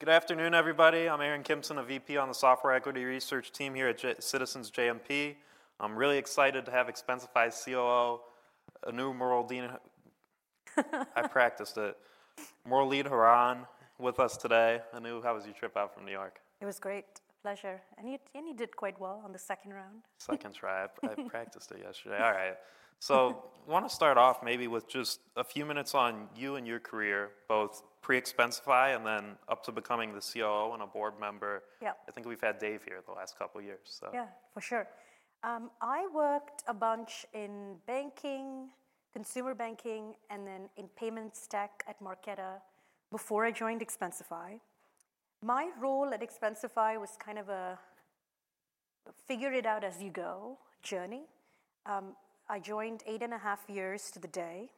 Good afternoon, everybody. I'm Aaron Kimson, a VP on the software equity research team here at Citizens JMP. I'm really excited to have Expensify's COO, Anu Mural Dina- I practiced it. Muralidharan with us today. Anu, how was your trip out from New York? It was great. A pleasure, and you, and you did quite well on the second round. Second try. I practiced it yesterday. All right. So wanna start off maybe with just a few minutes on you and your career, both pre-Expensify, and then up to becoming the COO and a board member. Yeah. I think we've had Dave here the last couple years, so. Yeah, for sure. I worked a bunch in banking, consumer banking, and then in payment stack at Marqeta before I joined Expensify. My role at Expensify was kind of a figure-it-out-as-you-go journey. I joined 8.5 years to the day,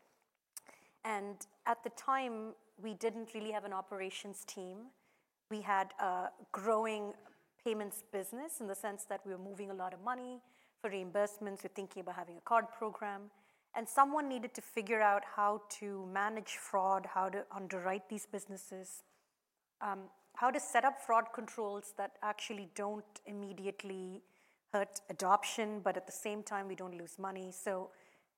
and at the time, we didn't really have an operations team. We had a growing payments business in the sense that we were moving a lot of money for reimbursements. We're thinking about having a card program, and someone needed to figure out how to manage fraud, how to underwrite these businesses, how to set up fraud controls that actually don't immediately hurt adoption, but at the same time, we don't lose money. So,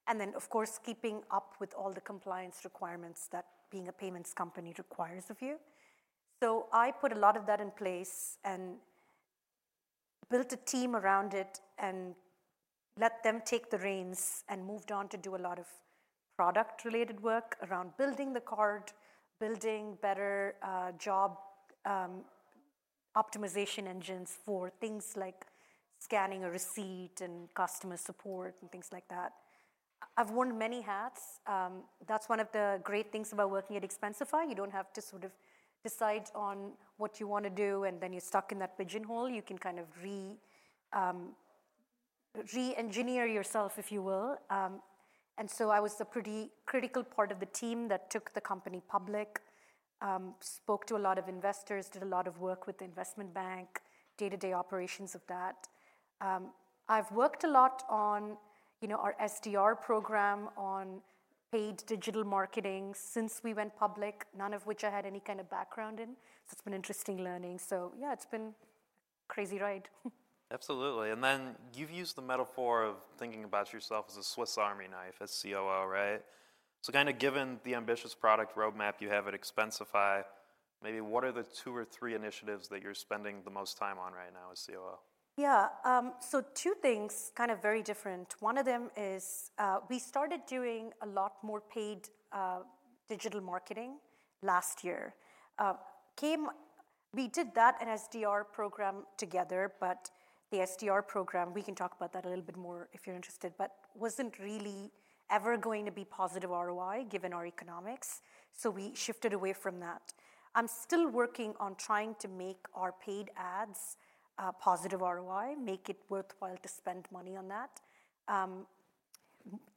and then, of course, keeping up with all the compliance requirements that being a payments company requires of you. So I put a lot of that in place and built a team around it and let them take the reins and moved on to do a lot of product-related work around building the card, building better job optimization engines for things like scanning a receipt and customer support, and things like that. I've worn many hats. That's one of the great things about working at Expensify. You don't have to sort of decide on what you wanna do, and then you're stuck in that pigeonhole. You can kind of re-engineer yourself, if you will. And so I was a pretty critical part of the team that took the company public, spoke to a lot of investors, did a lot of work with the investment bank, day-to-day operations of that. I've worked a lot on, you know, our SDR program on paid digital marketing since we went public, none of which I had any kind of background in, so it's been interesting learning. So yeah, it's been a crazy ride. Absolutely. And then you've used the metaphor of thinking about yourself as a Swiss Army knife, as COO, right? So kind of given the ambitious product roadmap you have at Expensify, maybe what are the two or three initiatives that you're spending the most time on right now as COO? Yeah, so two things, kind of very different. One of them is, we started doing a lot more paid, digital marketing last year. We did that and SDR program together, but the SDR program, we can talk about that a little bit more if you're interested, but wasn't really ever going to be positive ROI, given our economics, so we shifted away from that. I'm still working on trying to make our paid ads, positive ROI, make it worthwhile to spend money on that.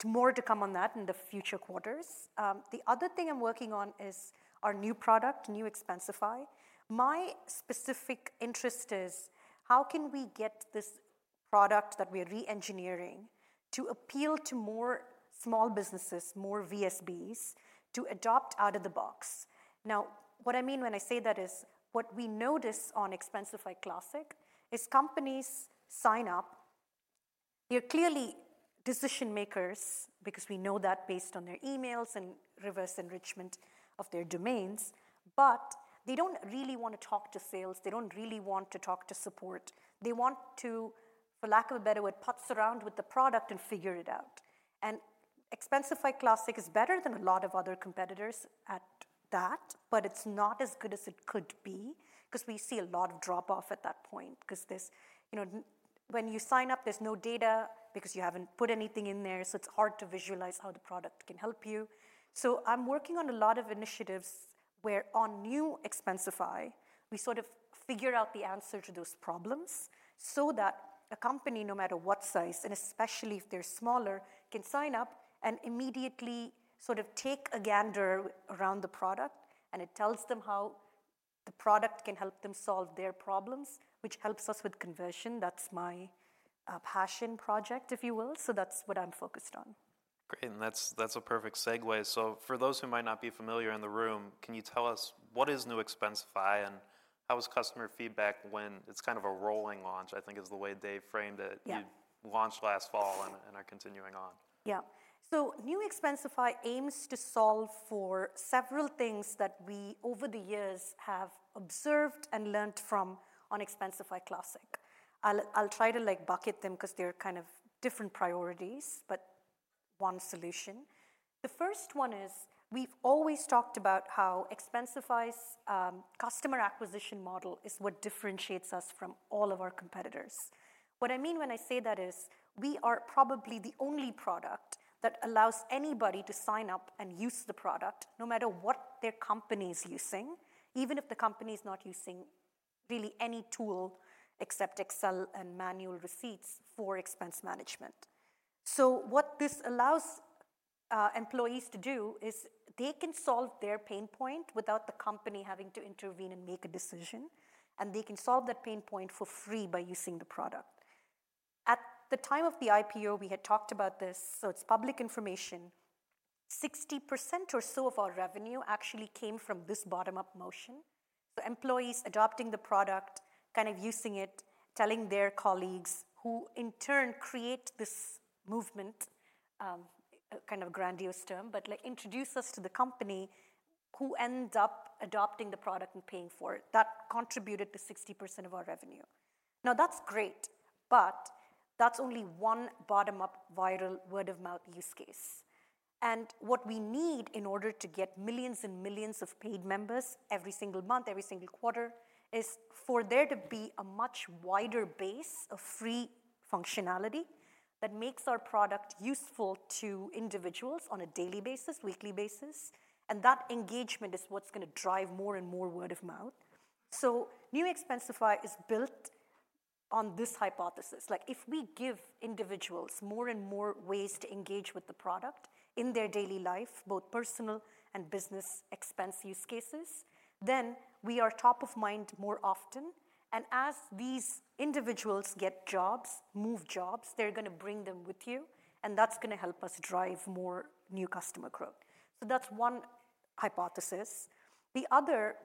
More to come on that in the future quarters. The other thing I'm working on is our new product, New Expensify. My specific interest is: how can we get this product that we are re-engineering to appeal to more small businesses, more VSBs, to adopt out of the box? Now, what I mean when I say that is, what we notice on Expensify Classic is companies sign up. They're clearly decision-makers because we know that based on their emails and reverse enrichment of their domains, but they don't really wanna talk to sales. They don't really want to talk to support. They want to, for lack of a better word, putz around with the product and figure it out. And Expensify Classic is better than a lot of other competitors at that, but it's not as good as it could be, 'cause we see a lot of drop-off at that point. 'Cause there's, you know, when you sign up, there's no data because you haven't put anything in there, so it's hard to visualize how the product can help you. So I'm working on a lot of initiatives where on New Expensify, we sort of figure out the answer to those problems so that a company, no matter what size, and especially if they're smaller, can sign up and immediately sort of take a gander around the product, and it tells them how the product can help them solve their problems, which helps us with conversion. That's my passion project, if you will, so that's what I'm focused on. Great, and that's, that's a perfect segue. So for those who might not be familiar in the room, can you tell us what is New Expensify, and how is customer feedback when it's kind of a rolling launch, I think, is the way Dave framed it- Yeah... you launched last fall and are continuing on. Yeah. So New Expensify aims to solve for several things that we, over the years, have observed and learned from on Expensify Classic. I'll try to, like, bucket them 'cause they're kind of different priorities but one solution. The first one is, we've always talked about how Expensify's customer acquisition model is what differentiates us from all of our competitors. What I mean when I say that is, we are probably the only product that allows anybody to sign up and use the product, no matter what their company is using, even if the company is not using really any tool except Excel and manual receipts for expense management. So what this allows employees to do is they can solve their pain point without the company having to intervene and make a decision, and they can solve that pain point for free by using the product.... At the time of the IPO, we had talked about this, so it's public information. 60% or so of our revenue actually came from this bottom-up motion. So employees adopting the product, kind of using it, telling their colleagues, who in turn create this movement, a kind of grandiose term, but, like, introduce us to the company who end up adopting the product and paying for it. That contributed to 60% of our revenue. Now, that's great, but that's only one bottom-up, viral, word-of-mouth use case, and what we need in order to get millions and millions of paid members every single month, every single quarter, is for there to be a much wider base of free functionality that makes our product useful to individuals on a daily basis, weekly basis, and that engagement is what's gonna drive more and more word of mouth. So New Expensify is built on this hypothesis: like, if we give individuals more and more ways to engage with the product in their daily life, both personal and business expense use cases, then we are top of mind more often, and as these individuals get jobs, move jobs, they're gonna bring them with you, and that's gonna help us drive more new customer growth. So that's one hypothesis. The other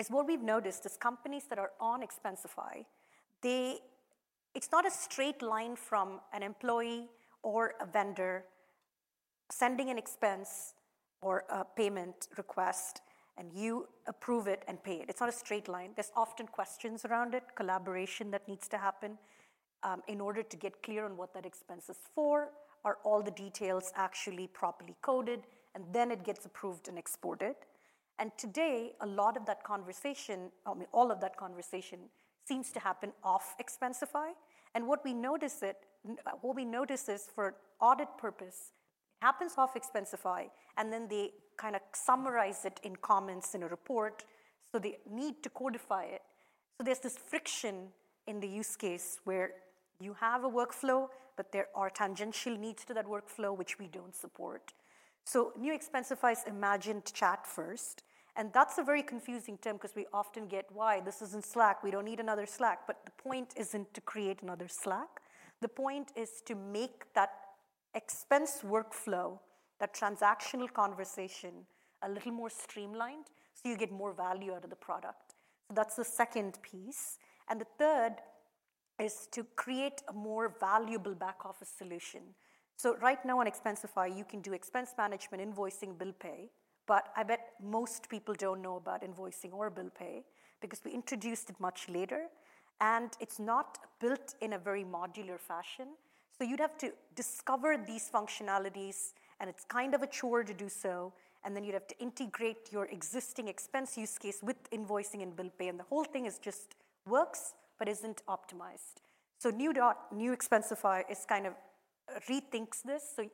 is what we've noticed: companies that are on Expensify, it's not a straight line from an employee or a vendor sending an expense or a payment request, and you approve it and pay it. It's not a straight line. There's often questions around it, collaboration that needs to happen, in order to get clear on what that expense is for. Are all the details actually properly coded? And then it gets approved and exported, and today, a lot of that conversation, I mean, all of that conversation seems to happen off Expensify, and what we notice is for audit purpose, happens off Expensify, and then they kind of summarize it in comments in a report, so they need to codify it. So there's this friction in the use case, where you have a workflow, but there are tangential needs to that workflow, which we don't support. So New Expensify's imagined chat-first, and that's a very confusing term 'cause we often get, "Why? This is in Slack. We don't need another Slack." But the point isn't to create another Slack. The point is to make that expense workflow, that transactional conversation, a little more streamlined, so you get more value out of the product. So that's the second piece, and the third is to create a more valuable back-office solution. So right now on Expensify, you can do expense management, invoicing, bill pay, but I bet most people don't know about invoicing or bill pay because we introduced it much later, and it's not built in a very modular fashion. So you'd have to discover these functionalities, and it's kind of a chore to do so, and then you'd have to integrate your existing expense use case with invoicing and bill pay, and the whole thing just works but isn't optimized. So New Expensify is kind of rethinks this. So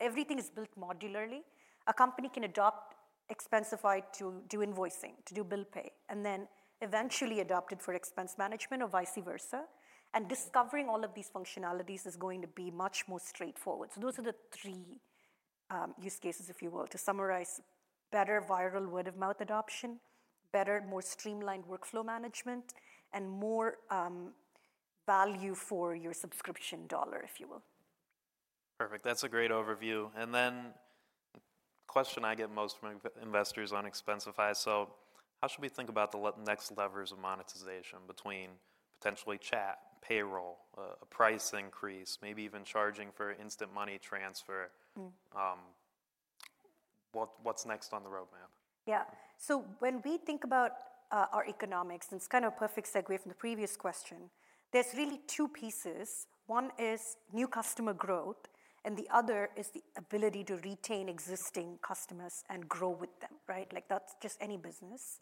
everything is built modularly. A company can adopt Expensify to do invoicing, to do bill pay, and then eventually adopt it for expense management or vice versa, and discovering all of these functionalities is going to be much more straightforward. So those are the three, use cases, if you will. To summarize, better viral word-of-mouth adoption, better, more streamlined workflow management, and more, value for your subscription dollar, if you will. Perfect, that's a great overview, and the question I get most from investors on Expensify, so how should we think about the next levers of monetization between potentially chat, payroll, a price increase, maybe even charging for instant money transfer? Mm. What's next on the roadmap? Yeah. So when we think about, our economics, and it's kind of a perfect segue from the previous question, there's really two pieces. One is new customer growth, and the other is the ability to retain existing customers and grow with them, right? Like, that's just any business.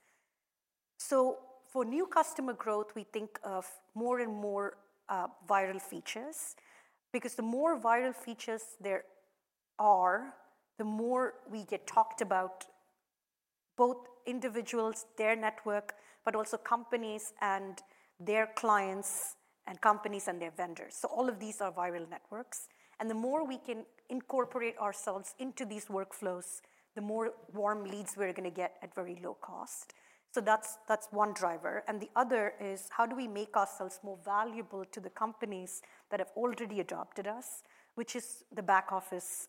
So for new customer growth, we think of more and more, viral features because the more viral features there are, the more we get talked about, both individuals, their network, but also companies and their clients and companies and their vendors. So all of these are viral networks, and the more we can incorporate ourselves into these workflows, the more warm leads we're gonna get at very low cost. So that's, that's one driver, and the other is: how do we make ourselves more valuable to the companies that have already adopted us? Which is the back office,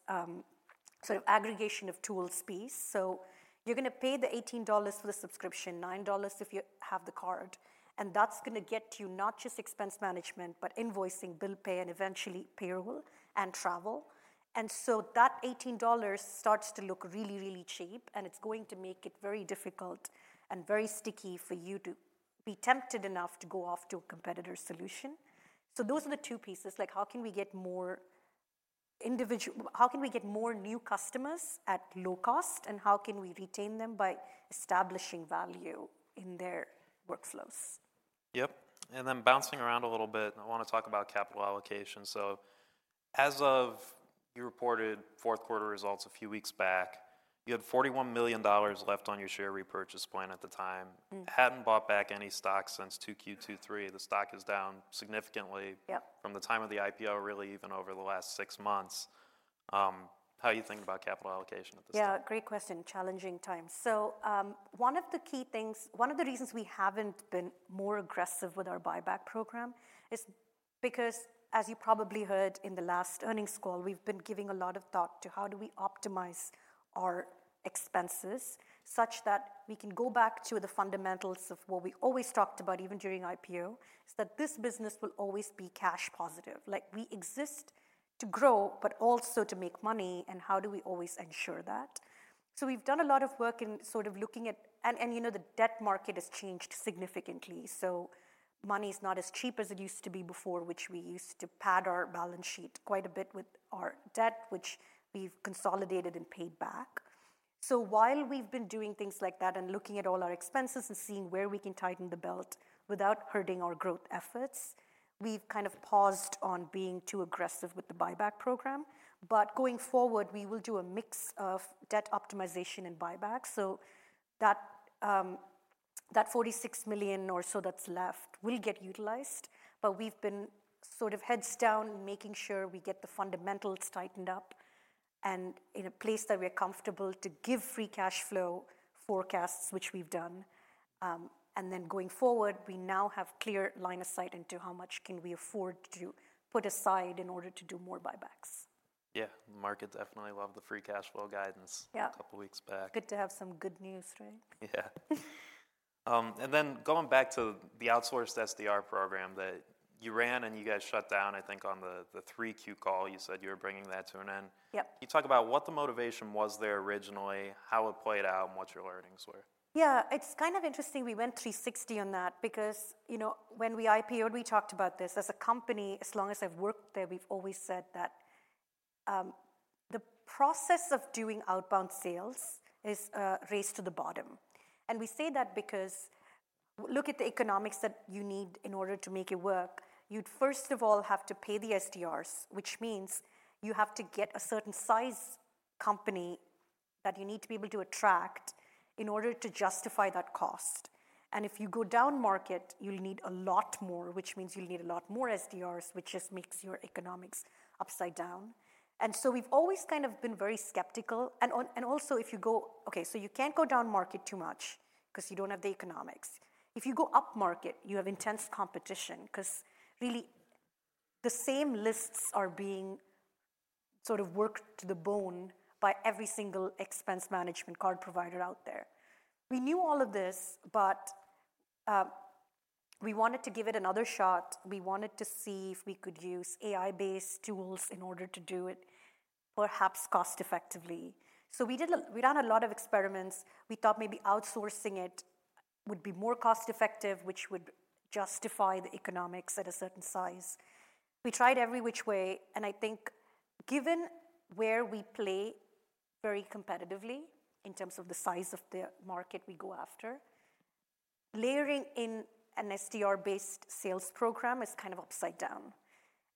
sort of aggregation of tools piece. So you're gonna pay the $18 for the subscription, $9 if you have the card, and that's gonna get you not just expense management, but invoicing, bill pay, and eventually payroll and travel. And so that $18 starts to look really, really cheap, and it's going to make it very difficult and very sticky for you to be tempted enough to go off to a competitor's solution. So those are the two pieces. Like, how can we get more individual... How can we get more new customers at low cost, and how can we retain them by establishing value in their workflows? Yep, and then bouncing around a little bit, I wanna talk about capital allocation. So as of... You reported fourth quarter results a few weeks back. You had $41 million left on your share repurchase plan at the time. Mm. Hadn't bought back any stocks since 2Q 2023. The stock is down significantly- Yep... from the time of the IPO, really, even over the last six months... how you think about capital allocation at this time? Yeah, great question. Challenging times. So, one of the key things, one of the reasons we haven't been more aggressive with our buyback program is because, as you probably heard in the last earnings call, we've been giving a lot of thought to how do we optimize our expenses, such that we can go back to the fundamentals of what we always talked about, even during IPO, is that this business will always be cash positive. Like, we exist to grow, but also to make money, and how do we always ensure that? So we've done a lot of work in sort of looking at... and, you know, the debt market has changed significantly, so money is not as cheap as it used to be before, which we used to pad our balance sheet quite a bit with our debt, which we've consolidated and paid back. So while we've been doing things like that and looking at all our expenses and seeing where we can tighten the belt without hurting our growth efforts, we've kind of paused on being too aggressive with the buyback program. But going forward, we will do a mix of debt optimization and buyback, so that that $46 million or so that's left will get utilized. But we've been sort of heads down, making sure we get the fundamentals tightened up and in a place that we're comfortable to give free cash flow forecasts, which we've done. And then going forward, we now have clear line of sight into how much can we afford to put aside in order to do more buybacks. Yeah. The market definitely loved the free cash flow guidance. Yeah A couple weeks back. Good to have some good news, right? Yeah. And then going back to the outsourced SDR program that you ran and you guys shut down, I think, on the 3Q call, you said you were bringing that to an end. Yep. Can you talk about what the motivation was there originally, how it played out, and what your learnings were? Yeah, it's kind of interesting we went 360 on that because, you know, when we IPO'd, we talked about this. As a company, as long as I've worked there, we've always said that, the process of doing outbound sales is a race to the bottom. And we say that because look at the economics that you need in order to make it work. You'd first of all have to pay the SDRs, which means you have to get a certain size company that you need to be able to attract in order to justify that cost. And if you go down market, you'll need a lot more, which means you'll need a lot more SDRs, which just makes your economics upside down. And so we've always kind of been very skeptical, and also, if you go... Okay, so you can't go down market too much, 'cause you don't have the economics. If you go up market, you have intense competition, 'cause really, the same lists are being sort of worked to the bone by every single expense management card provider out there. We knew all of this, but we wanted to give it another shot. We wanted to see if we could use AI-based tools in order to do it, perhaps cost effectively. So we did; we ran a lot of experiments. We thought maybe outsourcing it would be more cost effective, which would justify the economics at a certain size. We tried every which way, and I think, given where we play very competitively in terms of the size of the market we go after, layering in an SDR-based sales program is kind of upside down,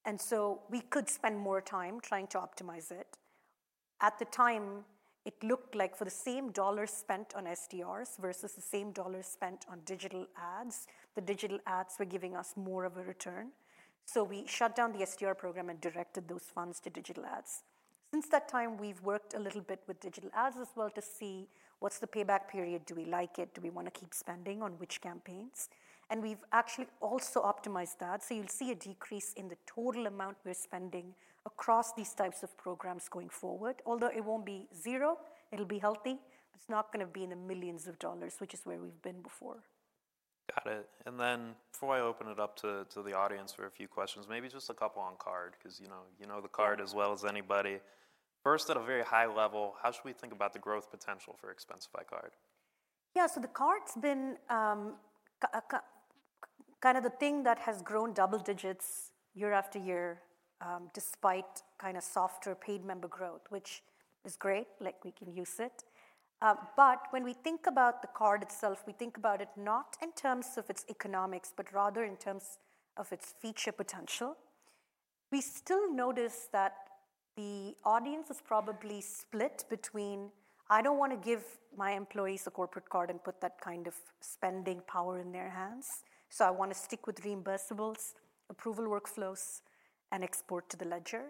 and so we could spend more time trying to optimize it. At the time, it looked like for the same dollar spent on SDRs versus the same dollar spent on digital ads, the digital ads were giving us more of a return. So we shut down the SDR program and directed those funds to digital ads. Since that time, we've worked a little bit with digital ads as well, to see what's the payback period, do we like it? Do we wanna keep spending on which campaigns? And we've actually also optimized that. You'll see a decrease in the total amount we're spending across these types of programs going forward, although it won't be zero, it'll be healthy. It's not gonna be in the millions of dollars, which is where we've been before. Got it. Then before I open it up to the audience for a few questions, maybe just a couple on card, 'cause you know, you know the card as well as anybody. First, at a very high level, how should we think about the growth potential for Expensify Card? Yeah. So the card's been kind of the thing that has grown double digits year after year, despite kind of softer paid member growth, which is great, like we can use it. But when we think about the card itself, we think about it not in terms of its economics, but rather in terms of its feature potential. We still notice that the audience is probably split between, I don't want to give my employees a corporate card and put that kind of spending power in their hands, so I want to stick with reimbursables, approval workflows, and export to the ledger.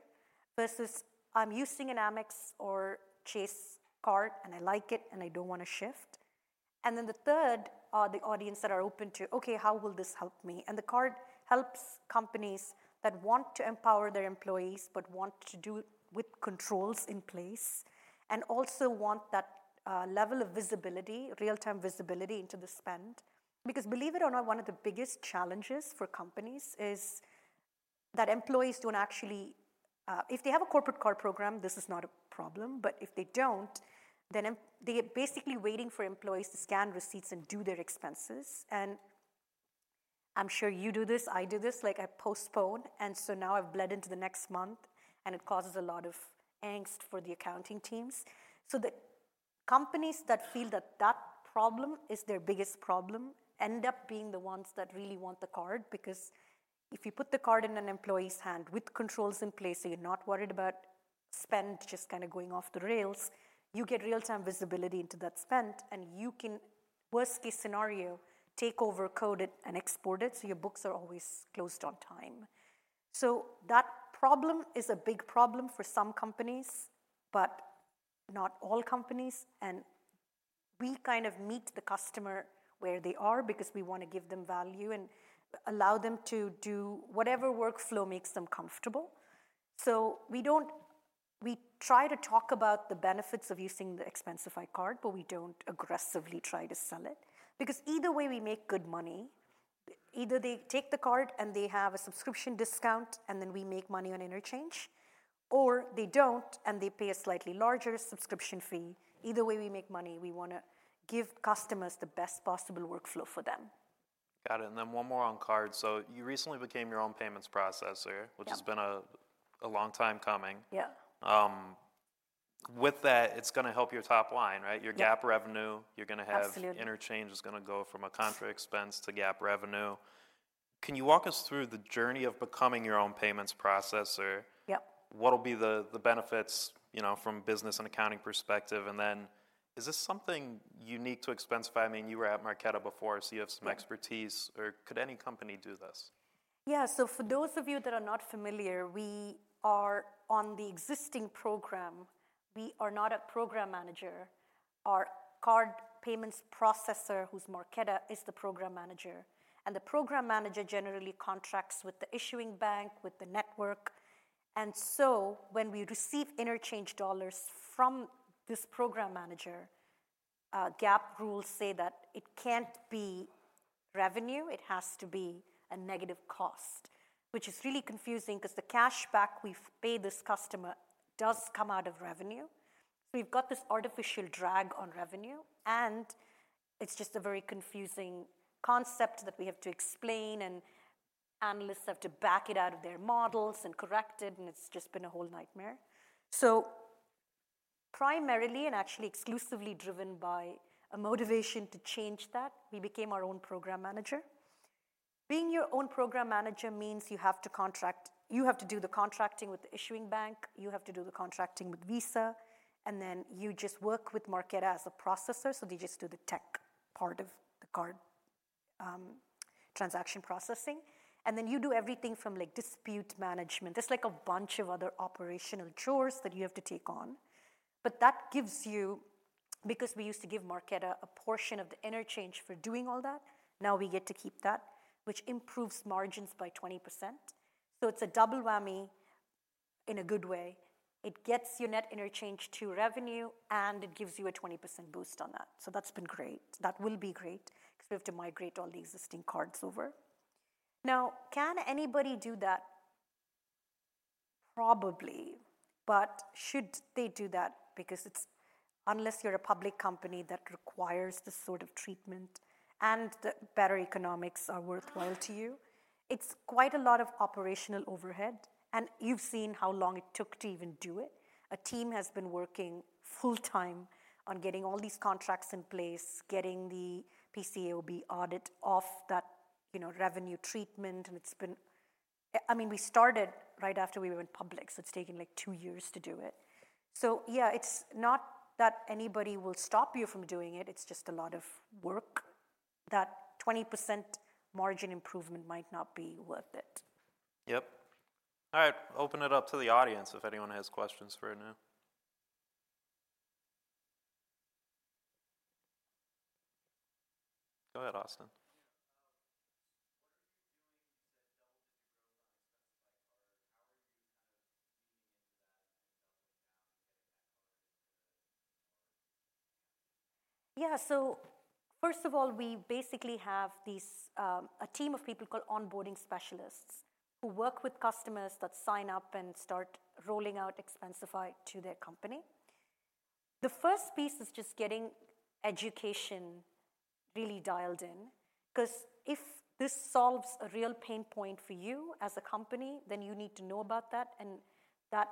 Versus, I'm using an Amex or Chase card, and I like it, and I don't want to shift. Then the third are the audience that are open to, "Okay, how will this help me?" The card helps companies that want to empower their employees, but want to do it with controls in place, and also want that level of visibility, real-time visibility into the spend. Because believe it or not, one of the biggest challenges for companies is that employees don't actually... if they have a corporate card program, this is not a problem, but if they don't, then they are basically waiting for employees to scan receipts and do their expenses. And I'm sure you do this. I do this, like I postpone, and so now I've bled into the next month, and it causes a lot of angst for the accounting teams. So the companies that feel that that problem is their biggest problem end up being the ones that really want the card because if you put the card in an employee's hand with controls in place, so you're not worried about spend just kind of going off the rails, you get real-time visibility into that spend, and you can worst case scenario, take over, code it, and export it, so your books are always closed on time. So that problem is a big problem for some companies, but not all companies, and we kind of meet the customer where they are because we wanna give them value and allow them to do whatever workflow makes them comfortable. So we don't. We try to talk about the benefits of using the Expensify Card, but we don't aggressively try to sell it, because either way, we make good money. Either they take the card, and they have a subscription discount, and then we make money on interchange, or they don't, and they pay a slightly larger subscription fee. Either way, we make money. We wanna give customers the best possible workflow for them. Got it, and then one more on card. So you recently became your own payments processor- Yeah. -which has been a long time coming. Yeah. With that, it's gonna help your top line, right? Yeah. Your GAAP revenue, you're gonna have- Absolutely. Interchange is gonna go from a contra expense to GAAP revenue. Can you walk us through the journey of becoming your own payments processor? Yep. What'll be the benefits, you know, from business and accounting perspective, and then is this something unique to Expensify? I mean, you were at Marqeta before, so you have some expertise- Yeah. Or could any company do this? Yeah, so for those of you that are not familiar, we are on the existing program. We are not a program manager. Our card payments processor, who's Marqeta, is the program manager, and the program manager generally contracts with the issuing bank, with the network. And so when we receive interchange dollars from this program manager, GAAP rules say that it can't be revenue. It has to be a negative cost, which is really confusing 'cause the cash back we've paid this customer does come out of revenue. So we've got this artificial drag on revenue, and it's just a very confusing concept that we have to explain, and analysts have to back it out of their models and correct it, and it's just been a whole nightmare. So primarily, and actually exclusively driven by a motivation to change that, we became our own program manager. Being your own program manager means you have to contract. You have to do the contracting with the issuing bank, you have to do the contracting with Visa, and then you just work with Marqeta as a processor, so they just do the tech part of the card, transaction processing. And then, you do everything from, like, dispute management. There's, like, a bunch of other operational chores that you have to take on, but that gives you, because we used to give Marqeta a portion of the interchange for doing all that, now we get to keep that, which improves margins by 20%. So it's a double whammy in a good way. It gets your net interchange to revenue, and it gives you a 20% boost on that. So that's been great. That will be great because we have to migrate all the existing cards over. Now, can anybody do that? Probably, but should they do that? Because it's... Unless you're a public company that requires this sort of treatment and the better economics are worthwhile to you, it's quite a lot of operational overhead, and you've seen how long it took to even do it. A team has been working full time on getting all these contracts in place, getting the PCAOB audit off that, you know, revenue treatment, and it's been... I, I mean, we started right after we went public, so it's taken, like, two years to do it. So, yeah, it's not that anybody will stop you from doing it. It's just a lot of work. That 20% margin improvement might not be worth it. Yep. All right, open it up to the audience if anyone has questions for Anu. Go ahead, Austin. Yeah, what are you doing that doubles your growth on Expensify Card? How are you kind of leaning into that and building out getting that card to... Yeah. So first of all, we basically have these, a team of people called onboarding specialists, who work with customers that sign up and start rolling out Expensify to their company. The first piece is just getting education really dialed in, 'cause if this solves a real pain point for you as a company, then you need to know about that, and that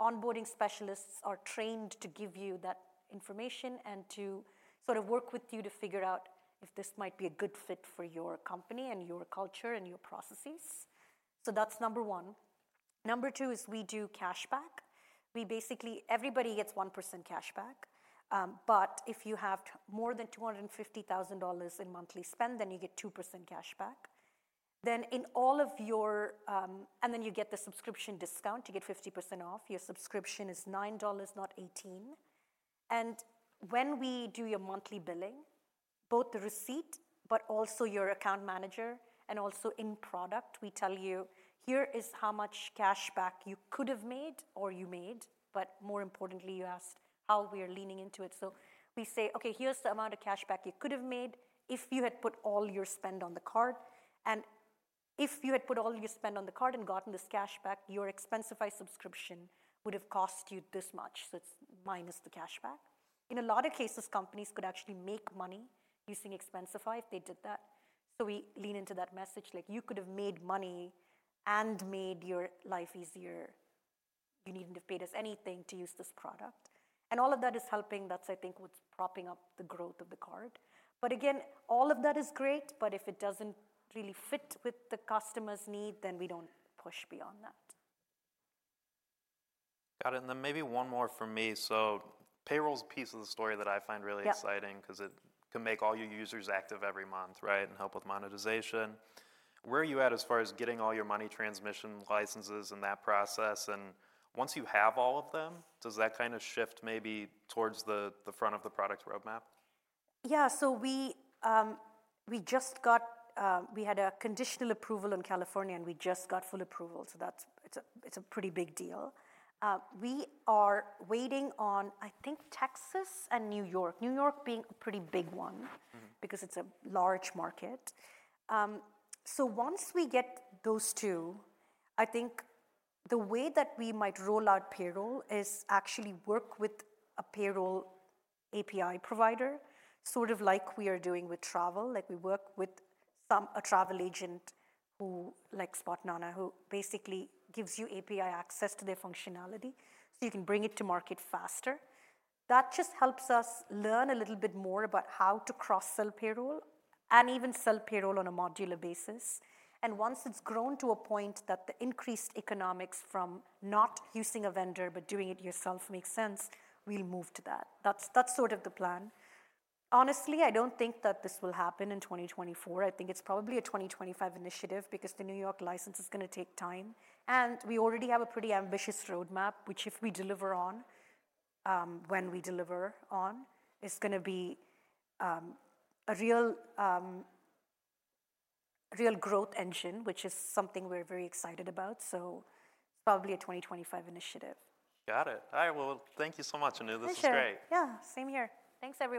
onboarding specialists are trained to give you that information and to sort of work with you to figure out if this might be a good fit for your company and your culture and your processes. So that's number one. Number two is we do cash back. We basically... Everybody gets 1% cash back, but if you have more than $250,000 in monthly spend, then you get 2% cash back. Then, in all of your, And then you get the subscription discount, you get 50% off. Your subscription is $9, not $18. And when we do your monthly billing, both the receipt but also your account manager and also in product, we tell you, "Here is how much cash back you could have made or you made," but more importantly, you asked how we are leaning into it. So we say: "Okay, here's the amount of cash back you could have made if you had put all your spend on the card, and if you had put all your spend on the card and gotten this cash back, your Expensify subscription would have cost you this much, so it's minus the cash back." In a lot of cases, companies could actually make money using Expensify if they did that. So we lean into that message, like, "You could have made money and made your life easier. You needn't have paid us anything to use this product." And all of that is helping. That's, I think, what's propping up the growth of the card. But again, all of that is great, but if it doesn't really fit with the customer's need, then we don't push beyond that. Got it, and then maybe one more from me. So payroll's a piece of the story that I find really- Yeah... exciting 'cause it can make all your users active every month, right, and help with monetization. Where are you at as far as getting all your money transmission licenses and that process, and once you have all of them, does that kind of shift maybe towards the front of the product roadmap? Yeah, so we, we just got... We had a conditional approval in California, and we just got full approval, so that's- it's a, it's a pretty big deal. We are waiting on, I think, Texas and New York, New York being a pretty big one- Mm-hmm... because it's a large market. So once we get those two, I think the way that we might roll out payroll is actually work with a payroll API provider, sort of like we are doing with travel. Like, we work with a travel agent who, like Spotnana, who basically gives you API access to their functionality, so you can bring it to market faster. That just helps us learn a little bit more about how to cross-sell payroll and even sell payroll on a modular basis, and once it's grown to a point that the increased economics from not using a vendor but doing it yourself makes sense, we'll move to that. That's, that's sort of the plan. Honestly, I don't think that this will happen in 2024. I think it's probably a 2025 initiative because the New York license is gonna take time, and we already have a pretty ambitious roadmap, which, if we deliver on, when we deliver on, is gonna be a real growth engine, which is something we're very excited about, so it's probably a 2025 initiative. Got it. All right, well, thank you so much, Anu. For sure. This was great. Yeah, same here. Thanks, everyone.